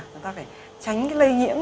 chúng ta phải tránh cái lây nhiễm